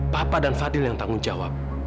papa dan fadil yang tanggung jawab